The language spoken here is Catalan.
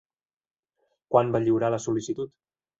Quan va lliurar la sol·licitud?